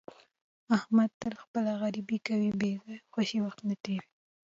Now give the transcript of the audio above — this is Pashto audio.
احمد تل خپله غریبي کوي، بې ځایه او خوشې وخت نه تېروي.